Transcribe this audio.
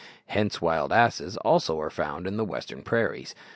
Hence wild asses also are found in the western prairies.